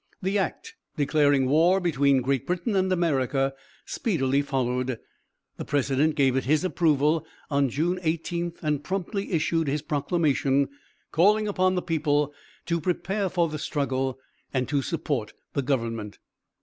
The act declaring war between Great Britain and America speedily followed. The president gave it his approval on June 18, and promptly issued his proclamation calling upon the people to prepare for the struggle, and to support the government.